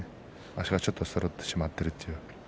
足がちょっとそろってしまっているという。